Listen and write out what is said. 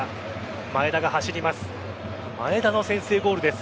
前田が走ります。